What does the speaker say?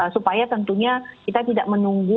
supaya tentunya kita tidak menunggu